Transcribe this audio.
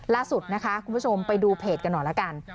ล่าสุดนะคะคุณผู้ชมไปดูเพจกันหน่อยละกัน